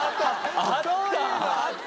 あった！